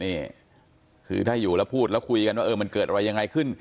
นี่คือถ้าอยู่แล้วพูดแล้วคุยกันว่าเออมันเกิดอะไรยังไงขึ้น